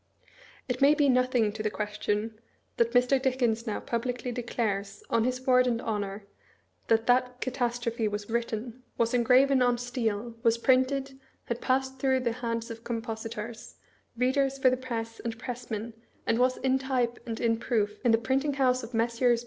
It may be nothing to the question that Mr. Dickens now pub licly declares, on his word and honor, that that catastrophe was written, was engraven on steel, was printed, had passed through the hands of compositors, readers for the press, and pressmen, and was ia type and in proof in the Print ing House of Messes.